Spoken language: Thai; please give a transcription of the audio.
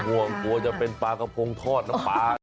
เป็นห่วงกลัวจะเป็นปลากระพงทอดนะป๊า